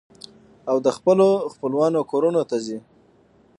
او د خپلو خپلوانو کورنو ته ځي.